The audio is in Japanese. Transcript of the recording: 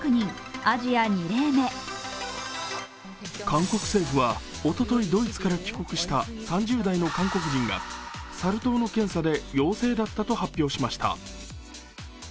韓国政府は、おととい、ドイツから帰国した３０代の韓国人がサル痘の検査で陽性だったと発表しました。